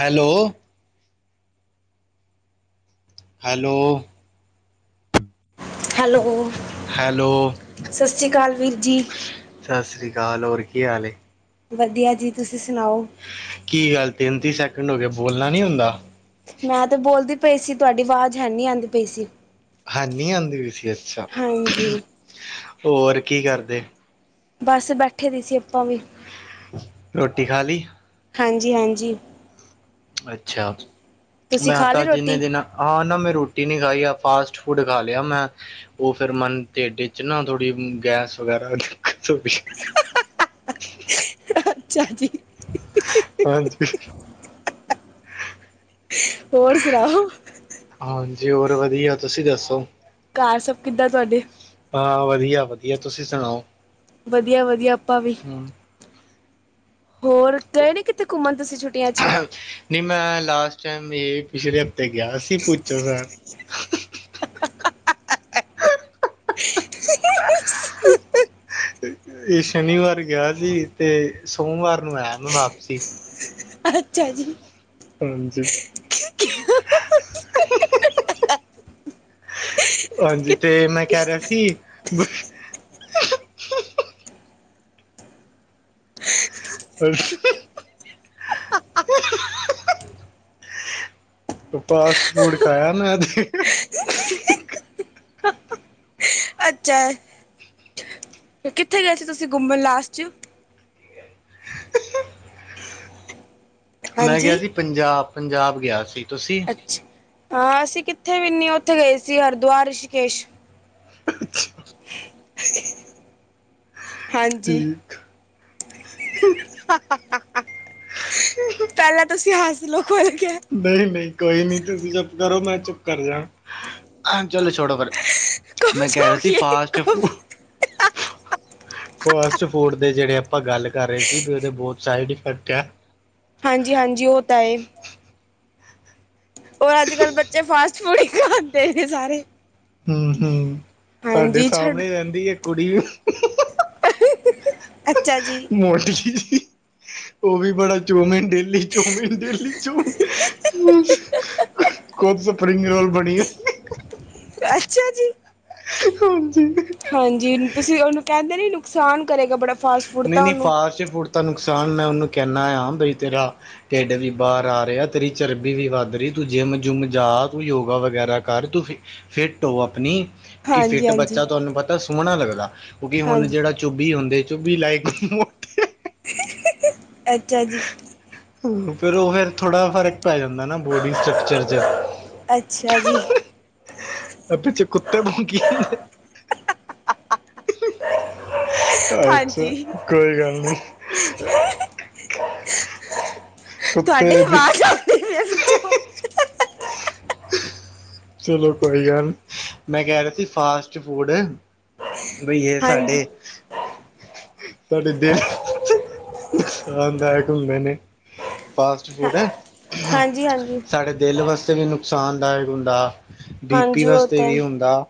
Hello hello hello hello ਸਸ ਸ੍ਰੀ ਕਾਲ ਵੀਰ ਜੀ। ਸਸ ਸ਼੍ਰੀ ਕਾਲ ਹੋਰ ਕੀ ਹਾਲ ਏ? ਵਧੀਆ ਜੀ ਤੁਸੀਂ ਸੁਣਾਓ? ਕੀ ਗੱਲ ਤਿੰਨ-ਤਿੰਨ ਸੈਕਿੰਡ ਹੋਗੇ ਬੋਲਣਾ ਨੀ ਹੁੰਦਾ। ਮੈਂ ਤੇ ਬੋਲਦੀ ਪਈ ਸੀ ਤੁਹਾਡੀ ਆਵਾਜ਼ ਹੈਨੀ ਆਂਦੀ ਪਈ ਸੀ। ਹੈਨੀ ਆਂਦੀ ਵੀ ਸੀ ਅੱਛਾ ਹਾਂਜੀ ਹੋਰ ਕੀ ਕਰਦੇ? ਬਸ ਬੈਠੇ ਦੇ ਸੀ ਆਪਾਂ ਵੀ। ਰੋਟੀ ਖਾਲੀ? ਹਾਂਜੀ-ਹਾਂਜੀ ਅੱਛਾ ਤੁਸੀਂ ਮੈਂ ਆ ਖਾ ਤਾਂ ਲਈ ਅੱਜ ਇੰਨੇ ਰੋਟੀ ਦਿਨਾਂ ਹਾਂ ਨਾ ਮੈਂ ਰੋਟੀ ਨੀ ਖਾਈ ਆ ਫਾਸਟ ਫੂਡ ਖਾ ਲਿਆ ਮੈਂ ਓ ਫੇਰ ਮਨ ਢਿੱਡ ਚ ਨਾ ਥੋੜੀ ਗੈਸ ਵਗੈਰਾ [unintelligible] [inaudible] ਅੱਛਾ ਜੀ। ਹਾਂਜੀ। ਹੋਰ ਸੁਣਾਓ? ਹਾਂਜੀ ਹੋਰ ਵਧੀਆ ਤੁਸੀਂ ਦੱਸੋ? ਕਾਰ ਸਭ ਕਿੱਦਾਂ ਤੁਹਾਡੇ? ਹਾਂ ਵਧੀਆ-ਵਧੀਆ ਤੁਸੀਂ ਸੁਣਾਓ? ਵਧੀਆ-ਵਧੀਆ ਆਪਾਂ ਵੀ। ਹੂੰ ਹੋਰ ਗਏ ਨੇ ਕਿੱਥੇ ਘੁੰਮਣ ਤੁਸੀਂ ਛੁੱਟੀਆਂ ਚ? ਨਈ ਮੈਂ ਲਾਸਟ ਟੈਮ ਪਿਛਲੇ ਹਫ਼ਤੇ ਗਿਆ ਅਸੀਂ ਭੁੱਚੋ ਸੈਬ। [inaudible] [inaudible] ਏ ਸ਼ਨੀਵਾਰ ਗਿਆ ਸੀ ਤੇ ਸੋਮਵਾਰ ਨੂੰ ਆਇਆ ਮੈਂ ਵਾਪਸੀ। ਅੱਛਾ ਜੀ। ਹਾਂਜੀ। ਹਾਂਜੀ। ਤੇ ਮੈਂ ਕੈ ਰੇਆ ਸੀ। [unintelligible] ਤੂੰ ਫਾਸਟ ਫੂਡ ਖਾਏਆ ਨਾ ਅੱਛਾ। ਕਿੱਥੇ ਗਏ ਸੀ ਤੁਸੀ ਘੁੰਮਣ ਲਾਸਟ ਚ। [unintelligible] ਮੈਂ ਗਆ ਹਾਂਜੀ ਸੀ ਪੰਜਾਬ। ਪੰਜਾਬ ਗਆ ਸੀ ਤੁਸੀ ਆ ਅਸੀ ਕਿੱਥੇਵੀ ਨੀ। ਓਥੇ ਗਏ ਸੀ ਹਰਦੁਆਰ ਰਿਸ਼ੀਕੇਸ਼। ਅੱਛਾ। ਹਾਂਜੀ। ਠੀਕ ਪੈਲਾਂ ਤੁਸੀ ਹੱਸ ਲੋ। ਮੈਂ ਕੇਐ ਨਈ ਨਈ ਕੋਈ ਨੀ ਤੁਸੀ ਚੁੱਪ ਕਰੋ ਮੈਂ ਚੁੱਪ ਕਰ ਜਾਂ। ਚੱਲੋ ਛੋੜੋ ਪਰੇ। ਗੁੰਮ ਮੈਂ ਕੈ ਰੇਆ ਸੀ ਜਾਓਗੇ ਫਾਸਟ ਗੁੰਮ ਫੂਡ ਫਾਸਟ ਫੂਡ ਦੇ ਜੇੜੇ ਆਪਾਂ ਗੱਲ ਕਰ ਰਏ ਸੀ ਬੀ ਓਦੇ ਬੋਤ ਸਾਈਡ ਇਫੈਕਟ ਐ। ਹਾਂਜੀ ਹਾਂਜੀ। ਓ ਤਾਂ ਏ। ਓ ਅੱਜ-ਕੱਲ ਬੱਚੇ ਫਾਸਟ ਫੂਡ ਈ ਖਾਂਦੇ ਨੇ ਸਾਰੇ। ਹੂੰ ਹੂੰ। ਸਾਡੇ ਹਾਂਜੀ ਛੱਡ ਸਾਮਣੇ ਈ ਰੇਂਦੀ ਏਕ ਕੁੜੀ। ਅੱਛਾ ਜੀ। ਮੋਟੀ ਜੀ ਓ ਵੀ ਬੜਾ ਚੋਊਮੀਨ ਡੇ ਡੇਲੀ ਚੋਮਿਨ ਡੇਲੀ ਚੋਮਿਨ। ਖੁਦ ਸਪਰਿੰਗ ਰੋਲ ਬਣੀ ਐ। ਅ ਅਛਾ ਜੀ। ਹਾਂਜੀ। ਹਾਂਜੀ, ਤੁਸੀ ਓਨੂੰ ਕੇਂਦੇ ਨੀ ਨੁਕਸਾਨ ਕਰੇਗਾ ਬੜਾ ਫਾਸਟ ਫੂਡ ਨਈ ਤਾਂ ਨਈ ਉਹਨੂੰ ਫਾਸਟ ਫੂਡ ਤਾਂ ਨੁਕਸਾਨ ਮੈਂ ਓਨੂੰ ਕੈਨਾ ਆਂਮ ਬਈ ਤੇਰਾ ਢਿੱਡ ਵੀ ਬਾਰ ਆ ਰੇਆ, ਤੇਰੀ ਚਰਬੀ ਵੀ ਵੱਧ ਰੁ, ਤੂੰ ਜਿੰਮ ਜੁੰਮ ਜਾ, ਕੋਈ ਯੋਗਾ ਵਗੈਰਾ ਕਰ ਤੂੰ ਫਿਟ ਹੋ ਅਪਨੀ ਕਿ ਹਾਂਜੀ ਫਿੱਟ ਹਾਂਜੀ ਬੱਚਾ ਤੁਆਨੂੰ ਪਤਾ ਸੋਣਾ ਲੱਗਦਾ, ਕਿਉਂਕਿ ਹੁਣ ਹਾਂਜੀ ਜੇੜਾ ਚੁੱਬੀ ਹੁੰਦੇ ਚੁਬੀ ਲਾਈਕ ਮੋ ਅੱਛਾ ਜੀ। ਹੂੰ। ਫਿਰ ਓ ਫੇਰ ਥੋੜਾ ਫਰਕ ਪੈ ਜਾਂਦਾ ਨਾ ਬੋਡੀ ਸਟਰਕਚਰ ਚ ਅੱਛਾ ਜੀ। ਐ ਪਿਛੇ ਕੁੱਤੇ ਭੌਂਕੀ ਜਾਂਦੇ ਅੱਛਾ ਹਾਂਜੀ। ਕੋਈ ਗੱਲ ਨਹੀਂ ਕੁੱਤੇ ਤੁਹਾਡੇ ਦੀ ਵਾਜ ਆ ਮੇਰੇ ਪਿਛੋਂ। ਚਲੋ ਕੋਈ ਗੱਲ, ਮੈਂ ਕੈ ਰੇਆ ਸੀ ਫਾਸਟ ਫੂਡ ਬਈਏ ਹਾਂਜੀ ਸਾਡੇ ਤਾਡੇ ਦਿਲ [unintelligible] ਫਾਸਟ ਫੂਡ ਹਾਂਜੀ ਹਾਂਜੀ ਸਾਡੇ ਦਿਲ ਵਾਸਤੇ ਵੀ ਨੁਕਸਾਨਦਾਏਕ ਹੁੰਦਾ, ਬੀ ਪੀ ਹਾਂਜੀ ਉਹ ਵਾਸਤੇ ਤਾਂ ਵੀ ਹੁੰਦਾ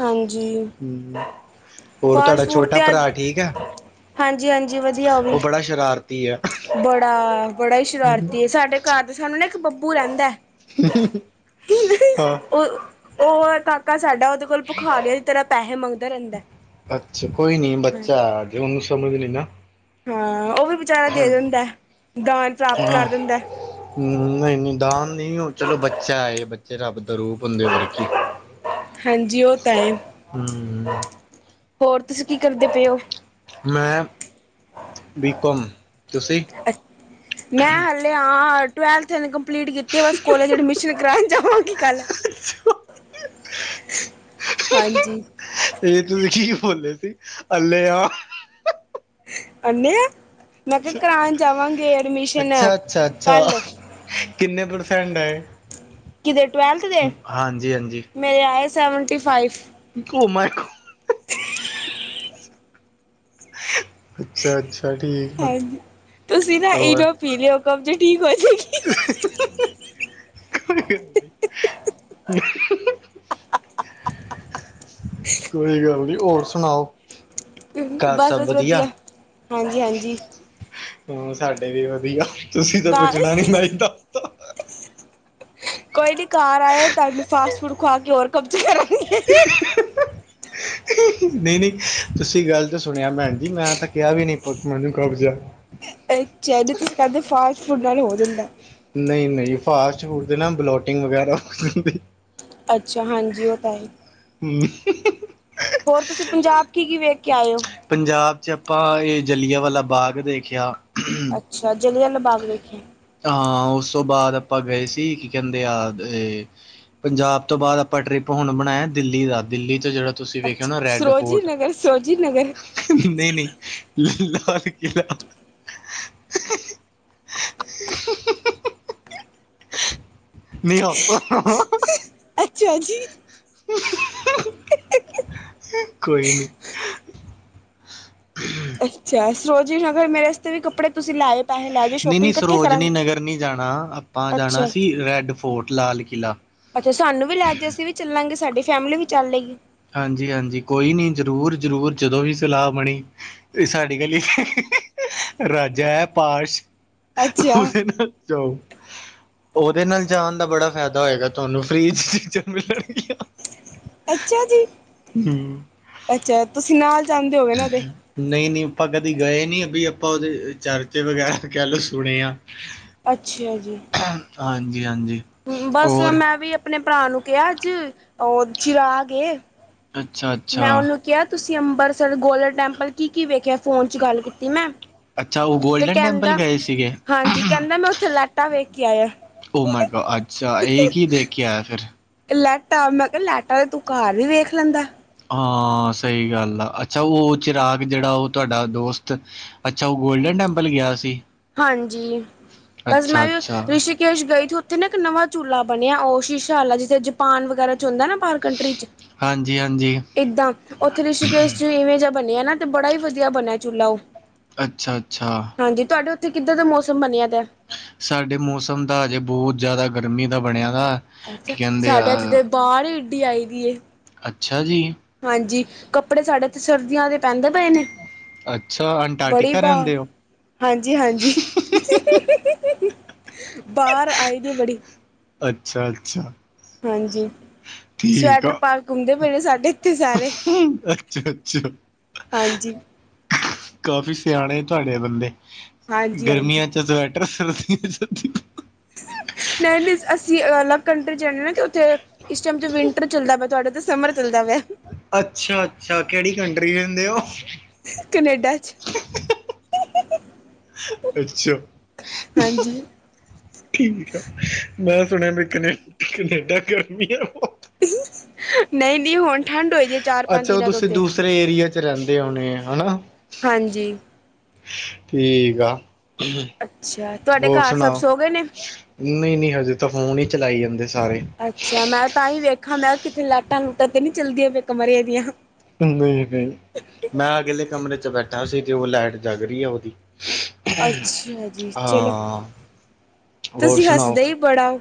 ਹਾਂਜੀ। ਹੋਰ ਤਾਡਾ ਛੋਟਾ ਭਰਾ ਠੀਕ ਐ? ਹਾਂਜੀ-ਹਾਂਜ ਓ ਬੜਾ ਸ਼ਰਾਰਤੀ ਐ। ਬੜਾ-ਬੜਾ ਹੀ ਸ਼ਰਾਰਤੀ ਏ, ਸਾਡੇ ਘਰ ਦੇ ਸਾਨੂੰ ਨਾ ਇੱਕ ਬੱਬ ਰਹਿੰਦਾ, ਹਾਂ ਉਹ ਉਹ ਕਾਕਾ ਸਾਡਾ ਉਹਦੇ ਉਹ ਦੇ ਕੋਲੋਂ ਭਿਖਾਦਿਆਂ ਦੀ ਤਰ੍ਹਾਂ ਪੈਸੇ ਮੰਗਦਾ ਰਹਿੰਦਾ ਹਾਂ। ਤੇ ਉਹਨੂੰ ਸਮਝ ਵੀ ਨਹੀਂ ਨਾ। ਹਾਂ ਉਹ ਵੀ ਬਚਾਰਾ ਦੇ ਦਿੰਦਾ, ਦਾਨ ਪ੍ਰਾਪਤ ਕਰ ਦਿੰਦਾ। ਹਮ ਨਹੀਂ ਨਹੀਂ ਦਾਨ ਨੀ, ਚਲੋ ਬੱਚਾ ਆਏ ਬੱਚੇ ਰੱਬ ਦਾ ਰੂਪ ਹੁੰਦੇ ਬ ਕੀ ਹਾਂਜੀ ਉਹ ਤਾਂ ਹੈ। ਹਮ। ਹੋਰ ਤੁਸੀਂ ਕੀ ਕਰਦੇ ਪਏ ਹੋ ਮੈਂ ਬੀ-ਕਮ, ਤੁਸੀਂ ਮੈਂ ਹਾਲੇ ਹਾ। ਟਵੈਲਥ ਹਲੇ ਕੰਪਲੀਟ ਕੀਤੀ, ਬਸ ਕੋਲੇਜ ਐਡਮਿਸ਼ਨ ਕਰਾਉਣ ਜਾਵਾਂਗੀ ਕੱਲ [inaudible] ਹਾਂਜੀ। ਇਹ ਤੁਸੀਂ ਕੀ ਬੋਲੇ ਸੀ ਅੱਲੇ ਆ ਅੱਲੇ ਆ ਮੈਂ ਕਿਹਾ ਕਰਾਉਣ ਜਾਵਾਂਗੇ ਐਡਮਿਸ਼ਨ ਅੱਛਾ ਅੱਛਾ ਅੱਛਾ ਕੱਲ ਕਿੰਨੇ ਪ੍ਰਸੈਂਟ ਆਏ? ਕਿਦੇ ਟਵੈਲਥ ਦੇ ਹਾਂਜੀ-ਹਾਂਜੀ। ਮੇਰੇ ਆਏ ਸੈਵਨਟੀ ਫਾਈਵ। ਘੁਮਾਏ। ਅੱਛਾ ਅੱਛਾ ਠੀਕ ਆ ਹਾਂਜੀ ਤੁਸੀਂ ਨਾ ਹੋਰ ਇਨੂੰ ਪੀ ਲਿਓ, ਕਬਜੇ ਠੀਕ ਹੋਏ। [inaudible] [inaudible] ਕੋਈ ਗੱਲ ਨੀ, ਹੋਰ ਸੁਣਾਓ? ਘਰ ਬਸ ਸਭ ਬਸ ਵਧੀਆ, ਹਾਂਜੀ- ਹਾਂਜੀ। ਹਮ ਸਾਡੇ ਵੀ ਵਧੀਆ, ਤੁਸੀਂ ਤਾਂ ਕਾਰ ਪੁੱਛਣਾ ਨੀ ਮੈਂ ਹੀ ਤਾਂ ਕੋਈ ਨੀ ਘਰ ਆਇਓ, ਤੁਾਨੂੰ ਫਾਸਟ ਫੂਡ ਖਵਾ ਕੇ ਹੋਰ ਕਬਜ ਕਰਾਂਗੀ। ਨਹੀਂ ਨਹੀਂ ਤੁਸੀਂ ਗੱਲ ਤਾਂ ਸੁਣਿਆ, ਭੈਣ ਜੀ ਮੈਂ ਤਾਂ ਕਿਹਾ ਵੀ ਨਹੀਂ ਮੈਨੂੰ ਕਬਜ਼ ਆ। [unintelligible] ਹੋ ਫਾਸਟ ਫੂਡ ਨਾਲ ਹੋ ਜਾਂਦਾ। ਨਈ, ਨਈ ਫਾਸਟ ਫੂਡ ਦੇ ਨਾ ਬਲੋਟਿੰਗ ਵਗੈਰਾ ਹੋ ਜਾਂਦੀ। ਅੱਛਾ ਹਾਂਜੀ ਓ ਤਾਂ ਹੈ। ਹੂੰ ਹੋਰ ਤੁਸੀ ਪੰਜਾਬ ਕੀ ਕੀ ਵੇਖ ਕੇ ਆਏ ਓ। ਪੰਜਾਬ ਚ ਆਪਾਂ ਏ ਜਲੀਆਂਵਾਲਾ ਬਾਗ ਦੇਖੇਆ। ਅੱਛਾ ਜਲਿਆਂਆਲਾ ਬਾਗ ਵੇਖੇਐ। ਹਾਂ, ਉਸ ਤੋਂ ਬਾਅਦ ਆਪਾਂ ਗਏ ਸੀ, ਕਿ ਕਹਿੰਦੇ ਆ ਏ ਪੰਜਾਬ ਤੋਂ ਬਾਦ ਆਪਾਂ ਟ੍ਰਿਪ ਹੁਣ ਬਣਾਆਏ ਦਿੱਲੀ ਦਾ। ਦਿੱਲੀ ਤੋਂ ਜਿਹੜਾ ਤੁਸੀ ਵੇਖਿਆ ਅੱਛਾ ਹੈਨਾ ਰੈਡ ਸਰੋਜੀ ਫੋਰਟ। ਨਗਰ ਸਰੋਜੀ ਨਗਰ ਨੀ ਨੀ ਲਾਲ ਕਿਲਾ ਨੀ ਆਪਾਂ ਅੱਛਾ ਜੀ। [unintelligible] ਅੱਛਾ, ਸਰੋਜਣੀ ਨਗਰ ਮੇਰੇ ਅਸਤੇ ਵੀ ਕੱਪੜੇ ਤੁਸੀ ਲੈ ਆਏ। ਨਈ-ਨਈ, ਸਰੋਜਨੀ ਨਗਰ ਨੀ ਜਾਣਾ। ਆਪਾਂ ਜਾਣਾ ਅੱਛਾ, ਸੀ ਰੈਡ ਫੋਰਟ, ਲਾਲ ਕਿਲਾ। ਅੱਛਾ ਸਾਨੂੰ ਵੀ ਲੈਜੋ, ਅਸੀਂ ਵੀ ਚੱਲਾਂਗੇ। ਸਾਡੀ ਫੈਮਿਲੀ ਵੀ ਚੱਲ ਲੇਗੀ। ਹਾਂਜੀ-ਹਾਂਜੀ, ਕੋਈ ਨੀ ਜਰੂਰ-ਜਰੂਰ ਜਦੋਂ ਵੀ ਸਲਾਹ ਬਣੀ। ਸਾਡੀ ਗਲੀ ਰਾਜਾ ਹੈ ਪਾਸ਼ ਅੱਛਾ, ਓਦੇ ਨਾਲ ਤੇਓ, ਓਦੇ ਨਾਲ ਜਾਨ ਦਾ ਬੜਾ ਫੈਦਾ ਹੋਏਗਾ ਤੁਆਨੂ ਫ੍ਰੀ ਚ ਚੀਜਾਂ ਮਿਲਣ ਗਿਆ ਅੱਛਾ ਜੀ, ਹੂੰ। ਅੱਛਾ ਤੁਸੀ ਨਾਲ ਜਾਂਦੇ ਹੋਗੇ ਨਾ ਓਦੇ। ਨਈ-ਨਈ ਆਪਾਂ ਕਦੇ ਗਏ ਨੀ‌ ਬੀ ਆਪਾਂ ਓਦੇ ਚਰਚੇ ਵਗੈਰਾ ਕੈ ਲਓ ਸੁਣੇ ਆ। ਅੱਛਾ ਜੀ। ਹਾਂਜੀ-ਹਾਂਜੀ। ਬਸ ਮੈਂ ਵੀ ਅਪਣੇ ਪਰਾ ਨੂੰ ਕੇਆ ਅੱਜ ਓ ਚਿਰਾਗ ਏ। ਅੱਛਾ ਅੱਛਾ ਮੈਂ ਓਨੂੰ ਕੇਆ ਤੁਸੀ ਅੰਬਰਸਰ ਗੋਲਡਨ ਟੈਂਪਲ ਕੀ-ਕੀ ਵੇਖਿਆ ਫੋਨ ਚ ਗਾਲ ਕੀਤੀ ਮੈਂ, ਅੱਛਾ ਉਹ ਤੇ ਗੋਲਡਨ ਟੈਂਪਲ ਕੈਂਦਾ, ਗਏ ਸੀਗੇ। ਹਾਂਜੀ ਕੈਂਦਾ ਮੈਂ ਓਥੇ ਲੈਟਾਂ ਵੇਖ ਕੇ ਆਯਾ। ਓ ਮਾਈ ਗੋ ਅੱਛਾ, ਏ ਕੀ ਦੇਖ ਕੇ ਆਯਾ ਫੇਰ। ਤੇ ਲੈਟਾਂ ਮੈਂ ਕਿਆ ਲੈਟਾਂ ਤੇ ਤੂੰ ਕਾੱਰ ਵੀ ਵੇਖ ਲੈਂਦਾ। ਆਹ ਸਹੀ ਗੱਲ ਆ ਅੱਛਾ ਓ ਚਿਰਾਗ ਜੇੜਾ ਓਹ ਤੁਆਡਾ ਦੋਸਤ ਅੱਛਾ, ਓਹ ਗੋਲਡਨ ਟੈਂਪਲ ਗਿਆ ਸੀ। ਹਾਂਜੀ, ਬਸ ਅੱਛਾ ਮੈਂ ਵੀ ਅੱਛਾ ਰਿਸ਼ੀ ਕੇਸ਼ ਗਈ ਥੀ ਓਥੇ ਨਾ ਏਕ ਨਵਾਂ ਝੂਲਾ ਬਣਿਆ ਓ ਸ਼ੀਸ਼ਾ ਲਾ ਜਿੱਥੇ ਜਪਾਨ ਵਗੈਰਾ ਚ ਹੁੰਦਾ ਨਾ ਪਰ ਕੰਟਰੀ ਚ ਹਾਂਜੀ ਹਾਂਜੀ ਏਦਾਂ, ਓਥੇ ਰਿਸ਼ਕੇਸ਼ ਜੀਵੇਂ ਈਵੇ ਜਿਆ ਬਣਿਆ ਨਾ ਤਾਂ ਬੜਾ ਈ ਵਧੀਆ ਬਣਿਆ ਝੂਲਾ ਓਹ ਅੱਛਾ-ਅੱਛਾ। ਹਾਂਜੀ, ਤੁਆਡੇ ਓਥੇ ਕਿਦਾਂ ਦਾ ਮੌਸਮ ਬਣਿਆ ਦਾ? ਸਾਡੇ ਮੌਸਮ ਦਾ ਅਜੇ ਬੋਤ ਜਾਦਾ ਗਰਮੀ ਦਾ ਬਣਿਆ ਦਾ। ਅੱਛਾ, ਕੀ ਕਹਿੰਦੇ ਆ ਸਾਡੇ ਅੱਜ ਏਥੇ ਬਾੜ ਈ ਏਡੀ ਆਈ ਦੀ ਏ। ਅੱਛਾ ਜੀ। ਹਾਂਜੀ, ਕੱਪੜੇ ਸਾਡੇ ਤੇ ਸਰਦੀਆਂ ਦੇ ਪੈਂਦੇ ਪਏ ਨੇ, ਅੱਛਾ ਬੜੀ ਅੰਟਾਰਟੀਕਾ ਬਾ, ਰਹਿੰਦੇ ਹੋ ਹਾਂਜੀ-ਹਾਂਜੀ। ਬਾਰ ਆਈ ਦੀ ਬੜੀ ਅੱਛਾ ਅੱਛਾ ਹਾਂਜੀ, ਸਵੈਟਰ ਪਾ ਕੇ ਕੁੰਮਦੇ ਪਏ ਨੇ ਸਾਡੇ ਇੱਥੇ ਸਾਰੇ ਅੱਛਾ-ਅੱਛਾ। ਹਾਂਜੀ ਕਾਫੀ ਸਆਣੇ ਤੁਆਡੇ ਬੰਦੇ, ਹਾਂਜੀ ਹਾਂਜੀ ਗਰਮੀਆਂ ਚ ਸਵੈ [inaudible] ਨਈ-ਨਈ ਅਸੀਂ ਅਲੱਗ ਕੰਟਰੀ ਚ ਰੇਨੇ ਆ ਨਾ ਜੋ ਤੇ ਇਸ ਟਾਈਮ ਚ ਵਿੰਟਰ ਚੱਲਦਾ ਪਿਆ ਤੁਆਡੇ ਤੇ ਸਮਰ ਚੱਲਦਾ ਪਿਆ। ਅੱਛਾ-ਅੱਛਾ, ਕੇੜੀ ਕੰਟਰੀ ਰੈਂਦੇ ਓ? ਕਨੇਡਾ ਚ ਅੱਛਾ ਹਾਂਜੀ। ਠੀਕ ਆ, ਮੈਂ ਸੁਣਿਆ ਵੀ ਕਨੇ-ਕਨੇਡਾ ਗਰਮੀ ਆ ਬੋਤ। ਨਈਂ-ਨਈਂ ਹੁਣ ਠੰਡ ਹੋਈ ਦੀ ਚਾਰ ਪੰਜ ਅੱਛਾ ਓ ਦਿਨਾਂ ਤੋਂ ਤੁਸੀਂ ਉੱਥੇ ਦੂਸਰੇ ਏਰੀਏ ਚ ਰੈਂਦੇ ਹੋਣੇ ਹਨਾ। ਹਾਂਜੀ। ਠੀਕ ਆ। ਅੱਛਾ। ਤੁਹਾਡੇ ਹੋਰ ਘਰ ਸਭ ਸੁਣਾਓ, ਸੋ ਗਏ ਨੇ ਨਈਂ-ਨਈਂ ਹਜੇ ਤਾਂ ਫੋਨ ਈ ਚਲਾਈ ਜਾਂਦੇ ਸਾਰੇ। ਅੱਛਾ ਮੈਂ ਤਾਂ ਈ ਵੇਖਾਂ, ਮੈਂ ਕਿੱਥੇ ਲਾਈਟਾਂ-ਲੂਟਾਂ ਤੇ ਨੀਂ ਚੱਲਦੀਆਂ ਪਈਆ ਕਮਰੇ ਦੀਆਂ। ਓ ਨਈਂ-ਨਈਂ। ਮੈਂ ਅਗਲੇ ਕਮਰੇ ਚ ਬੈਠਾ ਸੀ ਤੇ ਓ ਲੈਟ ਜਗ ਰੀ ਐ ਓਦੀ। ਹਾਂਜੀ-ਹਾਂਜੀ, ਅੱਛਾ ਜੀ ਚਲੋ ਹਾਂ, ਹੋਰ ਤੁਸੀਂ ਸੁਣਾਓ? ਹੱਸਦੇ ਹੀ ਬੜਾ ਹੋ।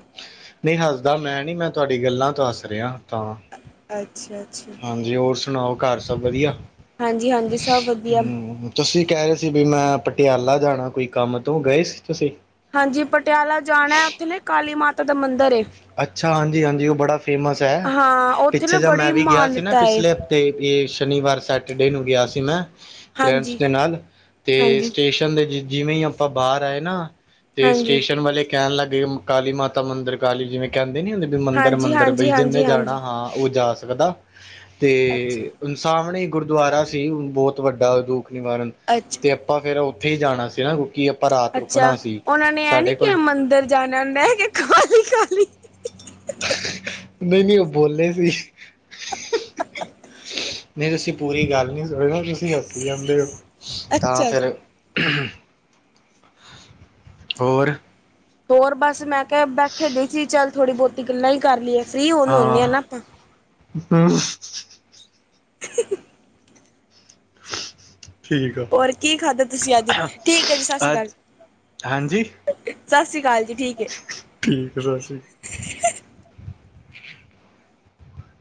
ਨਈ ਹੱਸਦਾ ਮੈਂ ਨੀਂ, ਮੈਂ ਤੁਆਡੀ ਗੱਲਾਂ ਤੋਂ ਹੱਸ ਰੇਆ ਤਾਂ ਅੱਛਾ-ਅੱਛਾ। ਹਾਂਜੀ ਹੋਰ ਸੁਣਾਓ ਘਾਰ ਸਭ ਵੱਧੀਆ। ਹਾਂਜੀ-ਹਾਂਜੀ ਸਭ ਵੱਧੀਆ। ਤੁਸੀਂ ਕੈ ਰਏ ਸੀ ਵੀ ਮੈਂ, ਪਟਿਆਲਾ ਜਾਣਾ ਕੋਈ ਕੰਮ ਤੋਂ, ਗਏ ਸੀ ਤੁਸੀਂ? ਹਾਂਜੀ ਪਟਿਆਲਾ ਜਾਣਾ, ਓਥੇ ਨਾਂ ਕਾਲੀ ਮਾਤਾ ਦਾ ਮੰਦਿਰ ਏ। ਅੱਛਾ, ਹਾਂਜੀ-ਹਾਂਜੀ ਓ ਬੜਾ ਫੇਮਸ ਐ, ਹਾਂ ਉੱਥੇ ਪਿੱਛੇ ਨਾ ਜਦ ਮੈਂ ਬੜੀ ਵੀ ਗਿਆ ਸੀ ਨਾਂ ਮਾਨਤਾ ਏ ਪਿਛਲੇ ਹਫ਼ ਤੇ ਏਸ ਸ਼ਨੀਵਾਰ-ਸੈਚਰਡੇ ਨੂੰ ਗੇਆ ਸੀ ਮੈਂ ਫਰੈਂਡਸ ਹਾਂਜੀ, ਹਾਂਜੀ, ਦੇ ਨਾਲ, ਤੇ ਹਾਂਜੀ, ਸਟੇਸ਼ਨ ਦੇ ਜ-ਜਿਵੇਂ ਈ ਆਪਾਂ ਬਾਹਰ ਆਏ ਨਾਂ ਤੇ ਹਾਂਜੀ, ਸਟੇਸ਼ਨ ਵਾਲੇ ਕੈਣ ਲੱਗ ਗਏ, ਕਾਲੀ ਮਾਤਾ ਮੰਦਰ, ਕਾਲੀ ਜਿਵੇਂ ਕੇਬਦੇ ਨੀ ਹੁੰਦੇ ਵੀ ਮੰਦਰ-ਮੰਦਰ ਬਈ ਹਾਂਜੀ, ਹਾਂਜੀ, ਜਿੰਨੇ ਜਾਣਾ ਹਾਂਜੀ। ਹਾਂ, ਓ ਜਾ ਸਕਦਾ, ਅੱਛਾ, ਤੇ ਸਾਹਮਣੇ ਈ ਗੁਰਦੁਆਰਾ ਸੀ ਬੋਤ ਵੱਡਾ, ਦੁਖ-ਨਿਵਾਰਨ ਅੱਛਾ। ਤੇ ਆਪਾਂ ਫੇਰ ਓਥੇ ਈ ਜਾਣਾ ਸੀ ਨਾਂ ਅੱਛਾ, ਓਨਾਂ ਨੇ ਏ ਨੀ ਕੇਆ ਕੋਲ ਮੰਦਰ ਜਾਣਾ, ਮੈਂ ਕੇਆ ਕਾਲੀ-ਕਾਲੀ ਨਈਂ-ਨਈਂ, ਓ ਬੋਲੇ ਨੀ। ਨਈਂ, ਤੁਸੀਂ ਪੂਰੀ ਗੱਲ ਨਈ ਸੁਣਦੇ ਤੁਸੀਂ ਹੱਸੀ ਜਾਂਦੇ ਓ, ਤਾਂ ਅੱਛਾ ਫ਼ੇਰ ਜੀ। ਹੋਰ? ਹੋਰ ਬਸ ਮੈਂ ਕੇਆ ਬੈਠੇ ਦੇਖੀਏ, ਚੱਲ ਥੋੜ੍ਹੀ ਬੋਤੀ ਗੱਲਾਂ ਈ ਕਰ ਲੀਏ, ਫ੍ਰਰੀ ਹੁਣ ਹੁੰਨੇ ਆਂ ਨਾਂ ਆਪਾਂ। ਹੂੰ। [unintelligible] ਠੀਕ ਆ ਹੋਰ ਕੀ ਖਾਧਾ ਤੁਸੀਂ ਅੱਜ? ਠੀਕ ਏ ਜੀ ਸਤਿ ਸ਼੍ਰੀ ਅਕਾਲ। ਅੱਜ ਹਾਂਜੀ ਸਤਿ ਸ੍ਰੀ ਅਕਾਲ ਜੀ ਠੀਕ ਹੈ। ਠੀਕ ਆ, ਸੱਸੀ